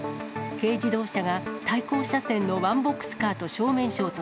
軽自動車が対向車線のワンボックスカーと正面衝突。